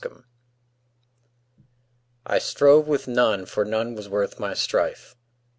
Finis I STROVE with none, for none was worth my strife.